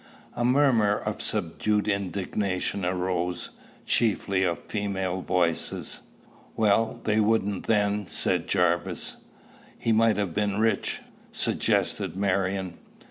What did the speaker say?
A murmur of subdued indignation arose, chiefly of female voices. "Well, they wouldn't then," said Jarvis. "He might have been rich," suggested Marion.